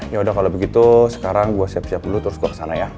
ya udah kalau begitu sekarang gue siap siap dulu terus gue kesana ya